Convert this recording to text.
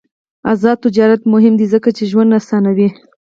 آزاد تجارت مهم دی ځکه چې ژوند اسانوي.